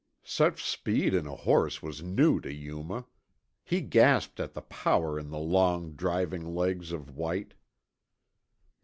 Such speed in a horse was new to Yuma. He gasped at the power in the long, driving legs of white.